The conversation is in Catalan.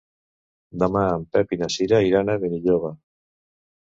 Demà en Pep i na Cira iran a Benilloba.